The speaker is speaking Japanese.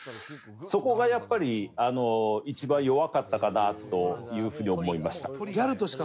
そこがやっぱり一番弱かったかなという風に思いました。